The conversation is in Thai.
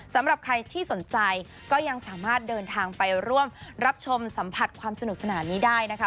สำหรับใครที่สนใจก็ยังสามารถเดินทางไปร่วมรับชมสัมผัสความสนุกสนานนี้ได้นะคะ